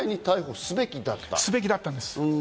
すべきだったんです。